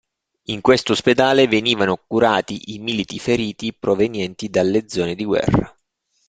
In questo ospedale venivano curati i militi feriti provenienti dalle zone di guerra.